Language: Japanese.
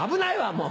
もう。